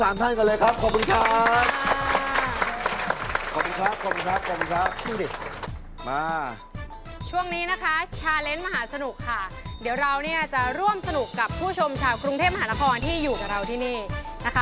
ไม่มีใครเลือกไหมเลข๓เลยนะครับ